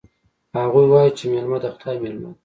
هغوی وایي چې میلمه د خدای مېلمه ده